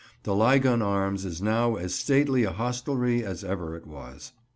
The "Lygon Arms," is now as stately a hostelry as ever it was.